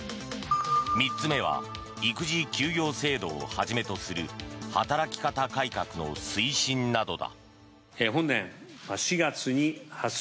３つ目は育児休業制度をはじめとする働き方改革の推進などだ。